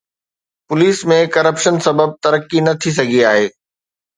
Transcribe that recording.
police ۾ corruption سبب ترقي نه ٿي سگهي آهي